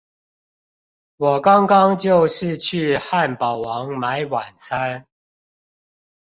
我剛剛就是去漢堡王買晚餐